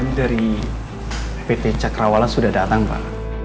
ini dari pt cakrawala sudah datang pak